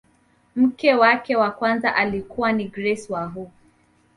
mke wake wa kwanza alikuwa ni grace wahu